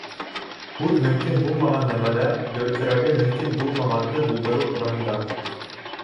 Һүҙ мөмкин булмаған нәмәләр, дөрөҫөрәге, мөмкин булмағанды булдырыу тураһында.